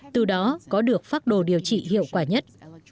từ đó có được phác đồ điều trị hiệu quả nhất